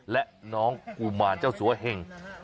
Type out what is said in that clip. และน้องกุมารเจ้าสัวเหง